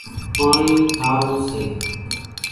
پاڻِي کارون سي۔